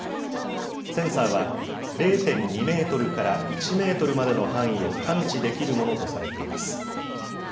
センサーは０．２メートルから１メートルまでの範囲を感知できるものとされています。